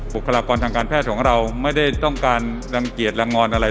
บุคลากรทางการแพทย์ของเราไม่ได้ต้องการรังเกียจลังงอนอะไร